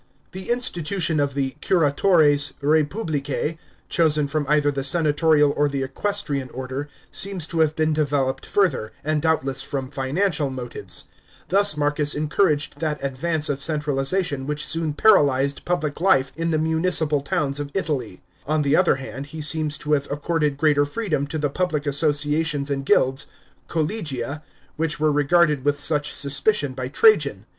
The institution of the curatores reipublicse, chosen from either the senatorial or the equestrian order, seems to have been developed further, and doubtless from financial motives. Thus Marcus encouraged that advance of * In Greek, Ao/an f The Greek term* are respectively : «fox«TaTos, Siao »]M<>TaTos, 161 180 A.D. ADMINISTRATION. centralisation which soon paralyzed public life in the municipal towns of Italy. On the other hand, he seems to have accorded greater freedom to the public associations and guilds — collegia — which were regarded with such suspicion by Trajan.